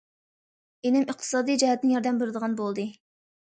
ئىنىم ئىقتىسادىي جەھەتتىن ياردەم بېرىدىغان بولدى.